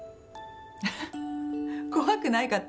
ハハ怖くないかって？